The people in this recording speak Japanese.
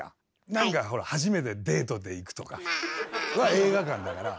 なんかほら初めてデートで行くとかは映画館だから。